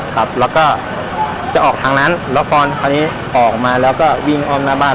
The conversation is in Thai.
ครับแล้วก็จะออกทางนั้นแล้วพอคราวนี้ออกมาแล้วก็วิ่งอ้อมหน้าบ้าน